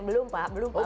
belum pak belum pak